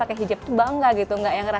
akhirnya jalan tengah aja